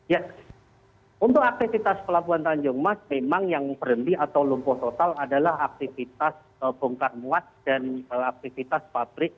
ya untuk aktivitas pelabuhan tanjung mas memang yang berhenti atau lumpuh total adalah aktivitas bongkar muat dan aktivitas pabrik